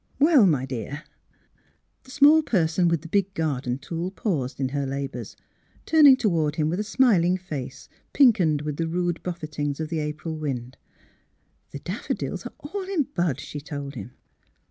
" Well, my dear!" The small person with the big garden tool paused in her labours, turning toward him a smil ing face, pinkened with the rude buffetings of the April wind. '' The daffodils are all in bud! " she told him.